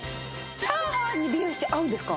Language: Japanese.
チャーハンにビーフシチュー合うんですか？